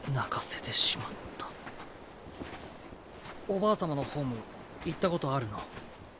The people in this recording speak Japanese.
おばあ様のホーム行ったことあるの？